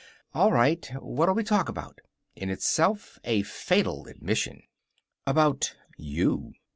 "All right. What'll we talk about?" In itself a fatal admission. "About you."